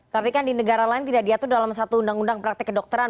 tapi kan di negara lain tidak diatur dalam satu undang undang praktek kedokteran